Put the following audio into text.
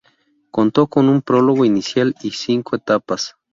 Contó con un prólogo inicial y cinco etapas.